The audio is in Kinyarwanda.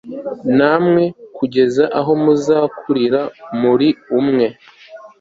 namwe kugeza aho muzakurira muri mwe